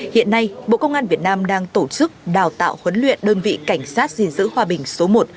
hiện nay bộ công an việt nam đang tổ chức đào tạo huấn luyện đơn vị cảnh sát gìn giữ hòa bình số một